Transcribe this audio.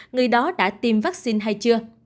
người đó đã tiêm vaccine hay chưa